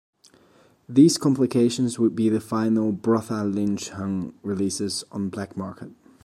These compilations would be the final Brotha Lynch Hung releases on Black Market.